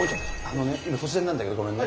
あのね今突然なんだけどごめんね。